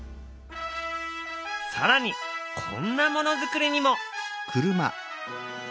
更にこんなものづくりにも！